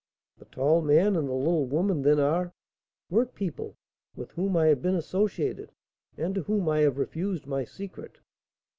"The tall man and the little woman then are " "Work people with whom I have been associated, and to whom I have refused my secret."